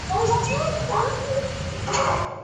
该物种的模式产地在四川。